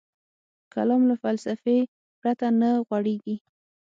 کلام له فلسفې پرته نه غوړېږي.